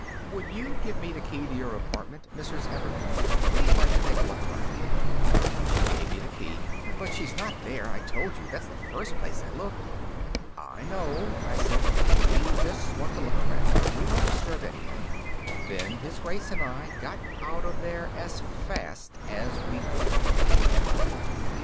"Would you give me the key to your apartment, Mrs. Ebbermann? We'd like to take a look around." She gave me a key. "But she's not there. I told you, that's the first place I looked." "I know," I said. "We just want to look around. We won't disturb anything." Then His Grace and I got out of there as fast as we could.